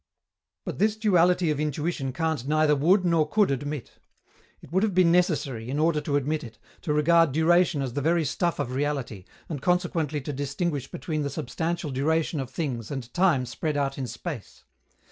But this duality of intuition Kant neither would nor could admit. It would have been necessary, in order to admit it, to regard duration as the very stuff of reality, and consequently to distinguish between the substantial duration of things and time spread out in space.